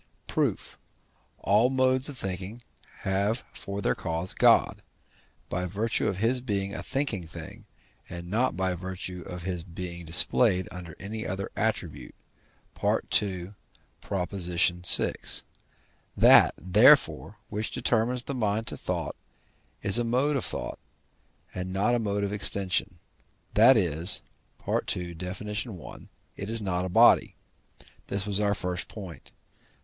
Proof. All modes of thinking have for their cause God, by virtue of his being a thinking thing, and not by virtue of his being displayed under any other attribute (II. vi.). That, therefore, which determines the mind to thought is a mode of thought, and not a mode of extension; that is (II. Def. i.), it is not body. This was our first point.